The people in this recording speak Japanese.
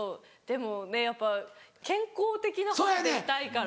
でもねやっぱ健康的な肌でいたいから。